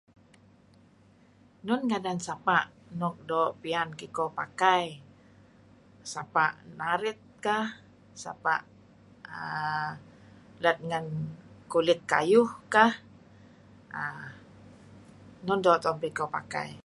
Non ngadan sapa' nuk doo' piyan kiko pakai? Sapa' barit kah, sapa' err let ngen kulit kayuh kah err nun doo' tu'en kiko pakai?